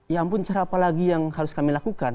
ya ampun cara apa lagi yang harus kami lakukan